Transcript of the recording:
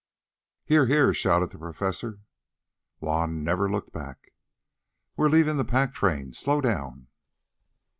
"Here! Here!" shouted the Professor. Juan never looked back. "We're leaving the pack train. Slow down!"